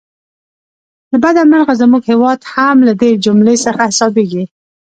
له بده مرغه زموږ هیواد هم له دې جملې څخه حسابېږي.